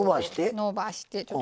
のばして。